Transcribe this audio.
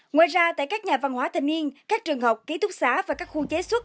ngoài ra tại các nhà văn hóa thanh niên các trường học ký túc xá và các khu chế xuất